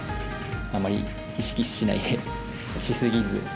あまり、意識しないで、しすぎず。